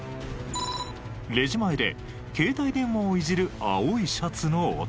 レジ前で携帯電話をいじる青いシャツの男。